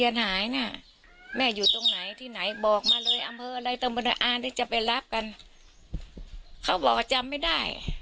เขาบอกว่าจำไม่ได้